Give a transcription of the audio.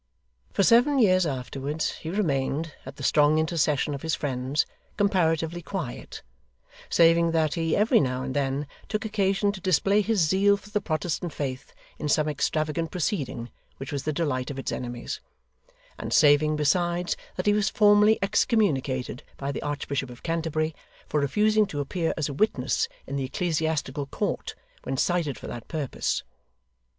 For seven years afterwards he remained, at the strong intercession of his friends, comparatively quiet; saving that he, every now and then, took occasion to display his zeal for the Protestant faith in some extravagant proceeding which was the delight of its enemies; and saving, besides, that he was formally excommunicated by the Archbishop of Canterbury, for refusing to appear as a witness in the Ecclesiastical Court when cited for that purpose.